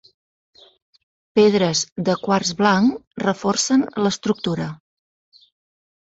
Pedres de quars blanc reforcen l'estructura.